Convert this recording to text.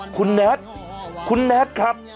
คุณแนทคุณแนทครับ